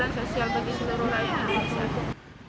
lima keadilan sosial bagi seluruh rakyat